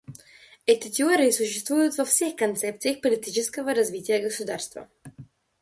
Эти теории существуют во всех концепциях политического развития государства.